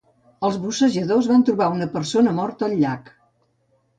Els bussejadors van trobar una persona morta al llac.